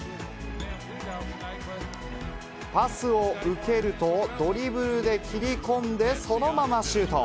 パスを受けると、ドリブルで切り込んでそのままシュート。